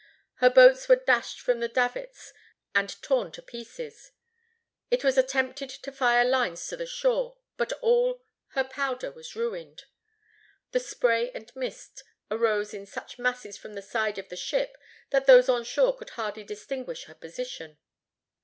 Her boats were dashed from the davits and torn to pieces. It was attempted to fire lines to the shore, but all her powder was ruined. The spray and mist arose in such masses from the sides of the ship, that those on shore could hardly distinguish her position.